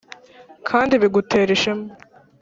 kandi bigutera ishema,